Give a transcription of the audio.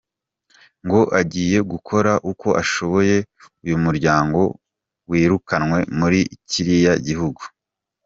Ngo agiye gukora uko ashoboye uyu muryango wirukanwe muri kiriya gihugu.